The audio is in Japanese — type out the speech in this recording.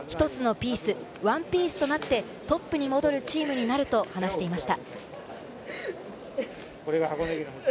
次は一つのピース、ワンピースとなってトップに戻るチームになると話していました。